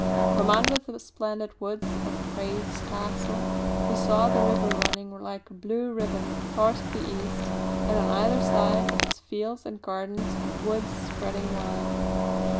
From under the splendid woods of Crathes Castle we saw the river running like a blue ribbon far to the east and on either side of it fields and gardens and woods spreading wide.